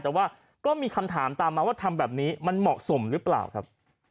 แต่ว่าก็มีคำถามตามมาว่าทำแบบนี้มันเหมาะสมหรือเปล่าครับ